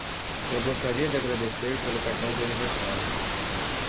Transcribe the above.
Eu gostaria de agradecer pelo cartão de aniversário.